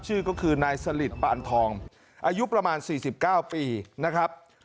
ชื่อก็คือนายสลิดปานทองอายุประมาณ๔๙ปีนะครับ